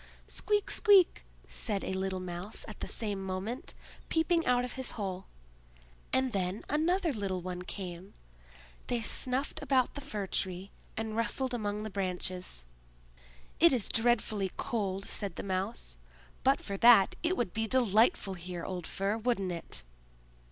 "Squeak! squeak!" said a little Mouse at the same moment, peeping out of his hole. And then another little one came. They snuffed about the Fir tree, and rustled among the branches. "It is dreadfully cold," said the Mouse. "But for that, it would be delightful here, old Fir, wouldn't it?"